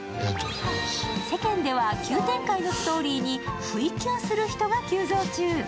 世間では急展開のストーリーにふいキュンする人が急増中。